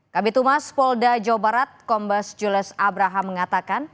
kami tumas polda jawa barat kombas jules abraham mengatakan